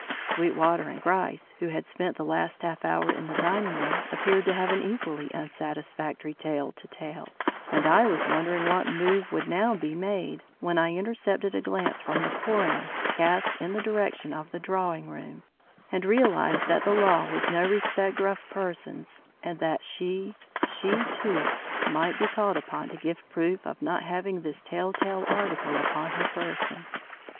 Sweetwater and Gryce, who had spent the last half hour in the dining room, appeared to have an equally unsatisfactory tale to tell, and I was wondering what move would now be made, when I intercepted a glance from the coroner cast in the direction of the drawing room, and realised that the law was no respecter of persons and that she, she too, might be called upon to give proof of not having this tell tale article upon her person.